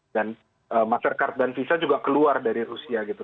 dan mastercard dan visa juga keluar dari rusia gitu